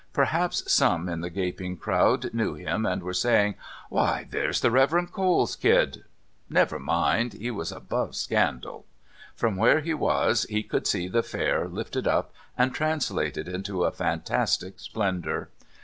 Perhaps some in the gaping crowd knew him and were saying: "Why, there's the Rev. Cole's kid " Never mind; he was above scandal. From where he was he could see the Fair lifted up and translated into a fantastic splendour.